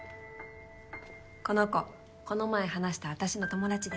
この子この前話した私の友達です。